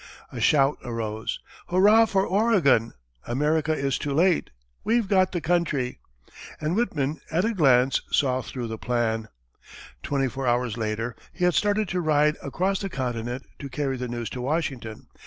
A shout arose: "Hurrah for Oregon! America is too late! We've got the country!" And Whitman, at a glance, saw through the plan. Twenty four hours later, he had started to ride across the continent to carry the news to Washington.